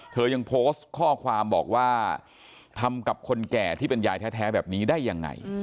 ยังโพสต์ข้อความบอกว่าทำกับคนแก่ที่เป็นยายแท้แบบนี้ได้ยังไง